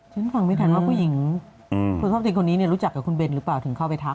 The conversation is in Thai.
ฉันฟังไม่ทันว่าผู้หญิงคนชอบเต้นคนนี้รู้จักกับคุณเบนหรือเปล่าถึงเข้าไปทัก